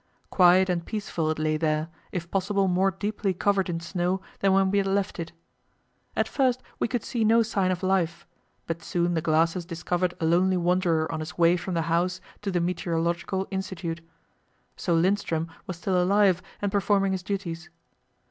Quiet and peaceful it lay there, if possible more deeply covered in snow than when we had left it. At first we could see no sign of life, but soon the glasses discovered a lonely wanderer on his way from the house to the "meteorological institute." So Lindström was still alive and performing his duties.